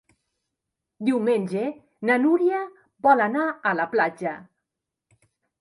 Diumenge na Núria vol anar a la platja.